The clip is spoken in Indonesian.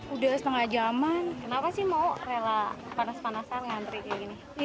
udah setengah jaman kenapa sih mau rela panas panasan ngantri kayak gini